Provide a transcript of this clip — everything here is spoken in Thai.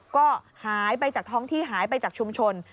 ก็หายไปจากท้องที่หายไปจากชุมชน